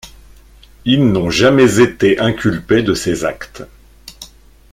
Ils n'ont jamais été inculpés de ces actes.